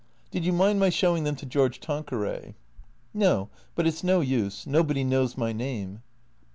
" Did you mind my showing them to George Tanqueray ?"" No. But it 's no use. Nobody knows my name."